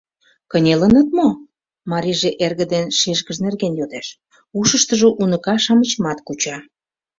— Кынелыныт мо? — марийже эрге ден шешкыж нерген йодеш, ушыштыжо уныка-шамычымат куча.